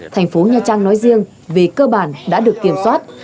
thành phố nha trang nói riêng về cơ bản đã được kiểm soát